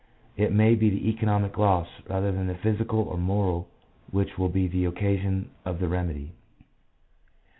It may be the economic loss, rather than the physical or moral, which will be the occasion of the remedy.